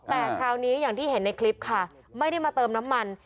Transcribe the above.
แต่คราวนี้อย่างที่เห็นในคลิปค่ะไม่ได้มาเติมน้ำมัน